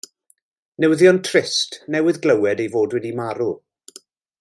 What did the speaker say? Newyddion trist, newydd glywed ei fod wedi marw.